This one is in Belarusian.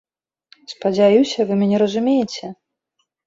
Спадзяюся, вы мяне разумееце!